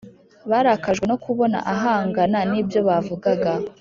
Barakajwe no kubona ahangana n’ibyo bavugaga